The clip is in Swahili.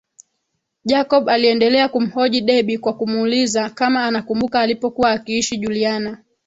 Jacob aliendelea kumhoji Debby kwa kumuuliza kama anakumbuka alipokuwa akiishi Juliana